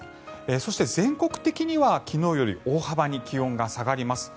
そして、全国的には昨日よりも大幅に気温が下がります。